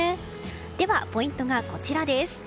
ではポイントがこちら。